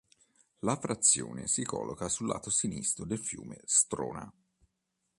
La frazione si colloca sul lato sinistro del fiume Strona.